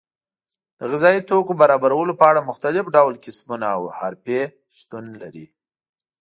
د غذایي توکو برابرولو په اړه مختلف ډول کسبونه او حرفې شتون لري.